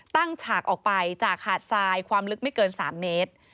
ฉากออกไปจากหาดทรายความลึกไม่เกิน๓เมตร